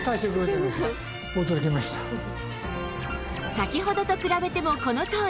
先ほどと比べてもこのとおり